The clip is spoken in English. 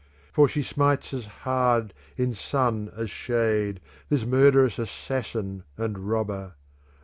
For she smites as hard in sun as shade this mur derous assassin and robber.